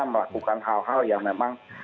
melakukan hal hal yang memang